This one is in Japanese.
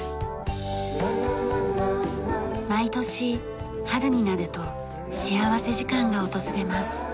毎年春になると幸福時間が訪れます。